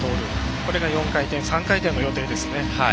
これが４回転３回転の予定ですね。